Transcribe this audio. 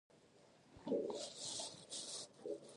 دا د پلان شوو فعالیتونو مطابقت ګوري.